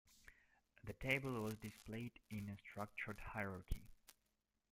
The table was displayed in a structured hierarchy.